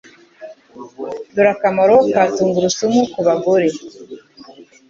Dore akamaro ka Tungurusumu kubagore